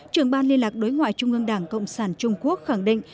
trưởng ban liên lạc đối ngoại trung ương đảng cộng sản trung quốc khẳng định